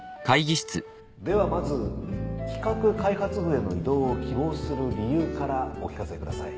ではまず企画開発部への異動を希望する理由からお聞かせください。